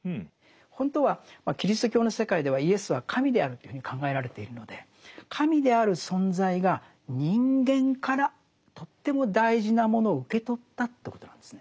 本当はキリスト教の世界ではイエスは神であるというふうに考えられているので神である存在が人間からとっても大事なものを受け取ったということなんですね。